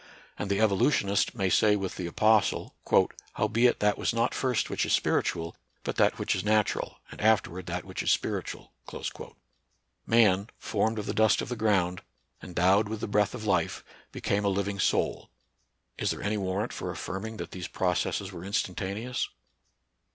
And the evolutionist may say with the apostle :" Howbeit that was not first which is spiritual, but that which is natural, and afterward that which is spiritual." Man, " formed of the dust of the ground," endowed with "the breath of life," "became a living soul." Is there any warrant for affirming that these processes were instantaneous